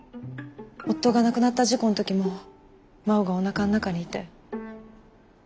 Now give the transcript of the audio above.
夫が亡くなった事故の時も真央がおなかの中にいて。